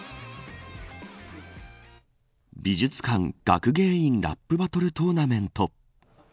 美術館学芸員ラップバトルトーナメント。